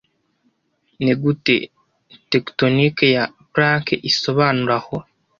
Nigute tectoniki ya plaque isobanura aho